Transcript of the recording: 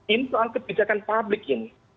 ini soal kebijakan publik ini